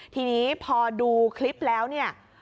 ทีนี้พอดูคลิปแล้วเนี่ย